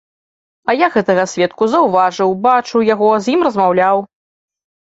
А я гэтага сведку заўважыў, бачыў яго, з ім размаўляў.